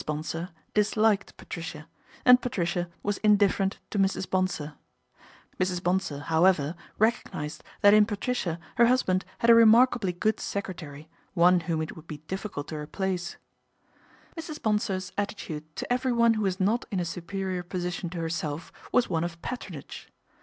Bonsor disliked Patricia and Patricia was indifferent to Mrs. Bonsor. Mrs. Bonsor, however, recognised that in Patricia her husband had a remarkably good secretary, one whom it would be difficult to replace. Mrs. Bonsor's attitude to everyone who was not in a superior position to herself was one of patron age.